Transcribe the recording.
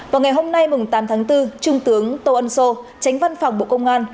vào ngày hôm nay tám tháng bốn trung tướng tô ân sô tránh văn phòng bộ công an